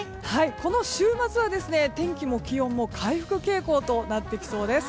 この週末は天気も気温も回復傾向となってきそうです。